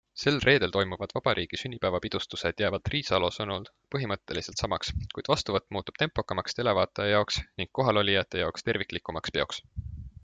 Sel reedel toimuvad vabariigi sünnipäevapidustused jäävad Riisalo sõnul põhimõtteliselt samaks, kuid vastuvõtt muutub tempokamaks televaataja jaoks ning kohalolijate jaoks terviklikumaks peoks.